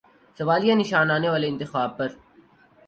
سوالیہ نشان آنے والے انتخابات پر۔